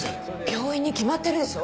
病院に決まってるでしょ。